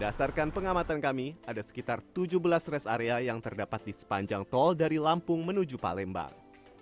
berdasarkan pengamatan kami ada sekitar tujuh belas rest area yang terdapat di sepanjang tol dari lampung menuju palembang